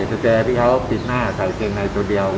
สแตที่เขาปิดหน้าใส่เกงในตัวเดียว